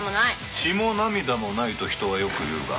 「血も涙もないと人はよく言うが」